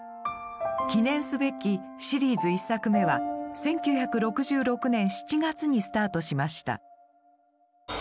記念すべきシリーズ１作目は１９６６年７月にスタートしました。